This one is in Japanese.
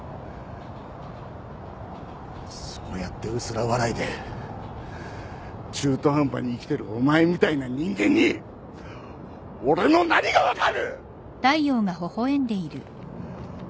そうやって薄ら笑いで中途半端に生きてるお前みたいな人間に俺の何が分かる！？